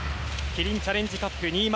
キリンチャレンジカップ２０２２